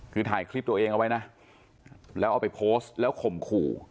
คือถ่ายคลิปตัวเองเอาไว้นะแล้วเอาไปโพสต์แล้วข่มขู่